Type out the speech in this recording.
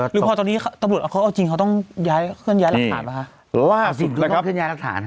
หรือพอตอนนี้ค้าตำรวจเอาจริงค้าต้องเชื่อนแย้นรักฐานป่ะคะ